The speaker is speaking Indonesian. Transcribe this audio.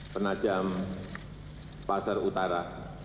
penajam pasar utara